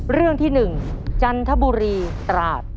เรื่องที่๑จันทบุรีตราด